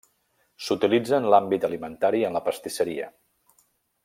S'utilitza en l'àmbit alimentari i en la pastisseria.